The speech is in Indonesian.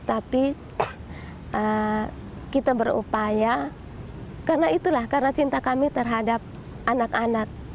tapi kita berupaya karena itulah karena cinta kami terhadap anak anak